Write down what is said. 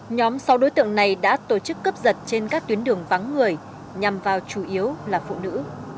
nhóm sau đối tượng này đã tổ chức cướp giật trên các tuyến đường vắng người nhằm vào chủ yếu là phụ nữ